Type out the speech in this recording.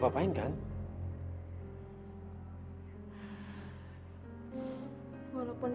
mak gak ada kasih kasihan